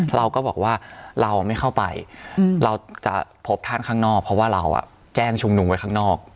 เราก็บอกว่าเราไม่เข้าไปเราจะพบท่านข้างนอกเพราะว่าเราแจ้งชุมนุมไว้ข้างนอก